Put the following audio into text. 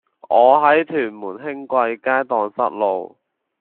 我喺屯門興貴街盪失路